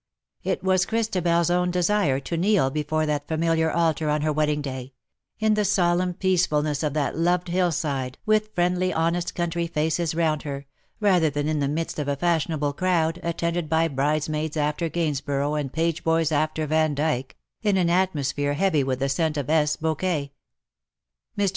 It was Christabel^s own desire to kneel before that familiar altar on her wedding day — in the solemn peacefulness of that loved hill side, with friendly honest country faces round her — rather than in the midst of a fashionable crowd, attended by bridesmaids after Gainsborough, and page boys after Vandyke, in an atmosphere heavy with the scent of Ess Bouquet. Mr.